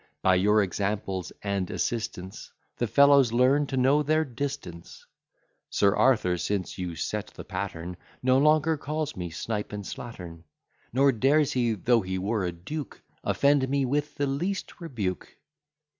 By your example and assistance, The fellows learn to know their distance. Sir Arthur, since you set the pattern, No longer calls me snipe and slattern, Nor dares he, though he were a duke, Offend me with the least rebuke.